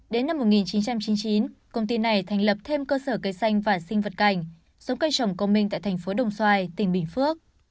đến năm một nghìn chín trăm chín mươi chín công ty này thành lập thêm cơ sở cây xanh và sinh vật cảnh giống cây trồng công minh tại thành phố đồng xoài tỉnh bình phước